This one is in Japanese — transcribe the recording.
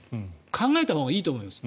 考えたほうがいいと思います。